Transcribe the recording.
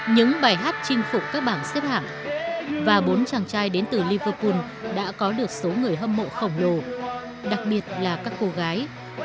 những bài hát chinh phục các bảng xếp hạng và bốn chàng trai đến từ liverpool đã có được số người hâm mộ khổng lồ đặc biệt là các cô gái